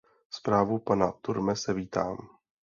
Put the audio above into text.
Zprávu pana Turmese vítám.